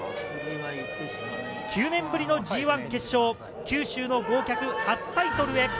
９年ぶりのＧＩ決勝、九州の豪脚、初タイトルへ。